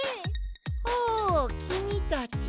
おきみたち。